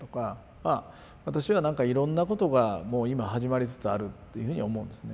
まあ私はなんかいろんなことがもう今始まりつつあるっていうふうに思うんですね。